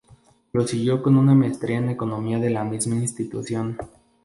Lo siguió con una maestría en economía de la misma institución.